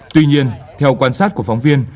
tuy nhiên theo quan sát của phóng viên